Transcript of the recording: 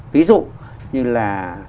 ví dụ như là